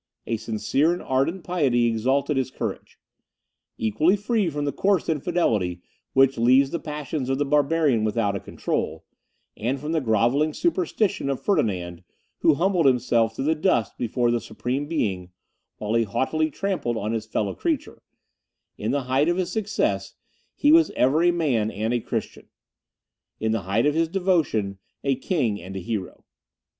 A sincere and ardent piety exalted his courage. Equally free from the coarse infidelity which leaves the passions of the barbarian without a control, and from the grovelling superstition of Ferdinand, who humbled himself to the dust before the Supreme Being, while he haughtily trampled on his fellow creature in the height of his success he was ever a man and a Christian in the height of his devotion, a king and a hero.